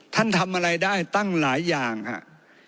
ทำอะไรได้ตั้งหลายอย่างครับ